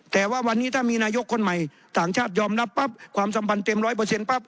แต่ว่าวันนี้ถ้ามีนายกคนใหม่ต่างชาติยอมรับปั๊บความสัมพันธ์เต็มร้อยเปอร์เซ็นปั๊บ